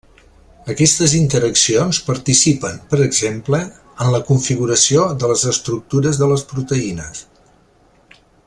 Aquestes interaccions participen, per exemple, en la configuració de les estructures de les proteïnes.